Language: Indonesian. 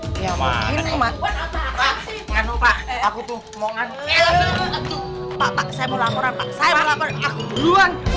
ngapain nih makasih aku tuh mau ngapain pak saya mau laporan pak saya mau laporan aku duluan